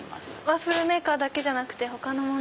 ワッフルメーカーだけじゃなく他も？